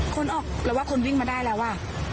คนออกแปลว่าคนวิ่งมาได้แล้วอ่ะ